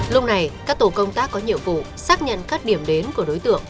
lúc này các tổ công tác có nhiệm vụ xác nhận các điểm đến của đối tượng